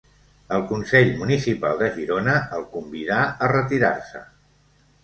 El consell municipal de Girona el convidà a retirar-se.